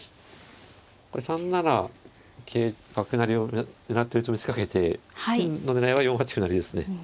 これ３七桂角成りを狙ってると見せかけて真の狙いは４八歩成ですね。